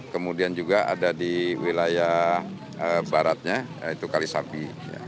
kemudian juga ada di wilayah baratnya yaitu kalisapi